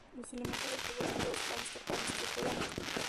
Los elementos del juego son de dos clases: que juegan y que no juegan.